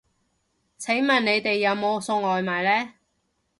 請問你哋有冇送外賣呢